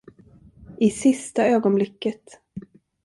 I sista ögonblicket.